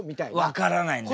分からないんだよ